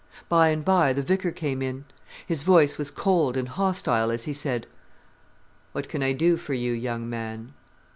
By and by the vicar came in. His voice was cold and hostile as he said: "What can I do for you, young man?"